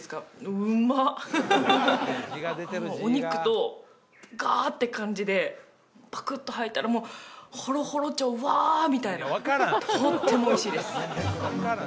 もうお肉とガーッて感じでパクッと入ったらもうほろほろ鳥ワー！みたいなとってもおいしいです